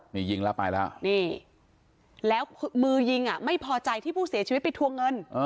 นี่ยิงแล้วไปแล้วนี่แล้วมือยิงอ่ะไม่พอใจที่ผู้เสียชีวิตไปทวงเงิน